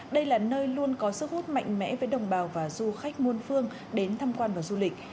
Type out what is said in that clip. đây là nơi luôn có sức hút mạnh mẽ với đồng bào và du khách muôn phương đến thăm quan và du lịch